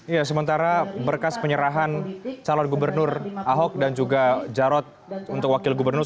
ya sementara berkas penyerahan calon gubernur ahok dan juga jarot untuk wakil gubernur